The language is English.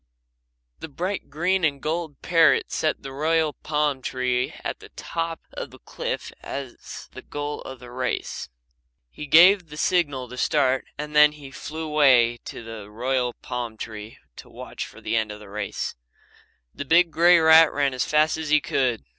The bright green and gold parrot set the royal palm tree at the top of the cliff as the goal of the race. He gave the signal to start and then he flew away to the royal palm tree to watch for the end of the race. The big grey rat ran as fast as he could.